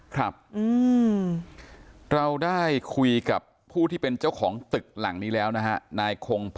ครับเราได้คุยกับผู้ที่เป็นเจ้าของตึกหลังนี้แล้วนะฮะ